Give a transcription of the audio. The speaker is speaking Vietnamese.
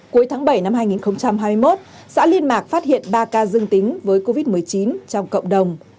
cuối tháng bảy năm hai nghìn hai mươi một xã liên mạc phát hiện ba ca dương tính với covid một mươi chín trong cộng đồng